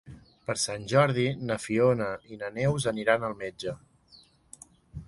Per Sant Jordi na Fiona i na Neus aniran al metge.